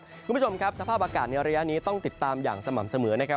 คุณผู้ชมครับสภาพอากาศในระยะนี้ต้องติดตามอย่างสม่ำเสมอนะครับ